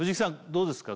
どうですか？